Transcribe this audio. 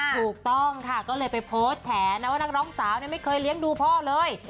ถูกต้องค่ะก็เลยไปโพสต์แฉนะว่านักร้องสาวไม่เคยเลี้ยงดูพ่อเลย